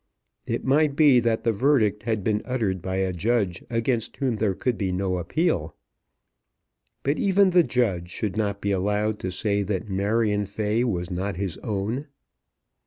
It might be that the verdict had been uttered by a Judge against whom there could be no appeal; but even the Judge should not be allowed to say that Marion Fay was not his own.